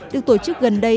được tổ chức gần đây